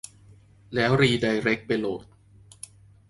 แล้วรีไดเร็กไปโหลด